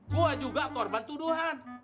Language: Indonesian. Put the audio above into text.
gua juga korban tuduhan